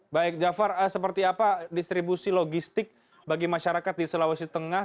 baik jafar seperti apa distribusi logistik bagi masyarakat di sulawesi tengah